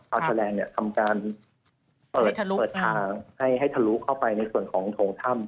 เทอร์แลนด์เนี่ยทำการเปิดทางให้ทะลุเข้าไปในส่วนของโถงถ้ำ